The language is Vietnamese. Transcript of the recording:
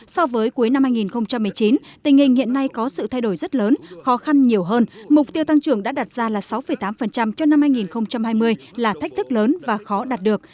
so với cuối năm hai nghìn một mươi chín tình hình hiện nay có sự thay đổi rất lớn khó khăn nhiều hơn mục tiêu tăng trưởng đã đặt ra là sáu tám cho năm hai nghìn hai mươi là thách thức lớn và khó đạt được